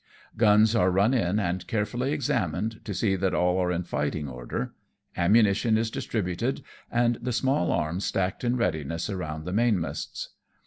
Guns are run in and carefully examined to see that all are in fighting order. Ammunition is distributed, and the small arms stacked in readiness around the mainmasts.